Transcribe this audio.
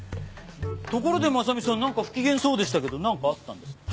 ところで真実さんなんか不機嫌そうでしたけどなんかあったんですか？